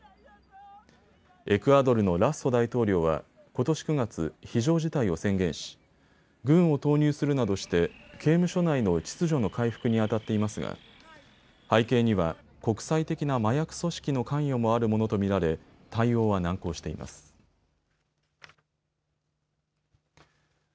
エクアドルのラッソ大統領はことし９月、非常事態を宣言し軍を投入するなどして刑務所内の秩序の回復に当たっていますが背景には国際的な麻薬組織の関与もあるものと見られ対応は難航しています。